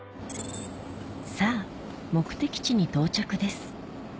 さぁ目的地に到着です